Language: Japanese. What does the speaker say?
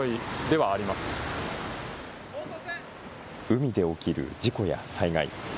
海で起きる事故や災害。